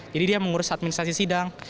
jadi dia mengurus administrasi sidang